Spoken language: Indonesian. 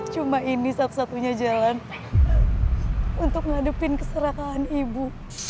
cuma ini satu satunya jalan untuk ngadepin keserakalan ibu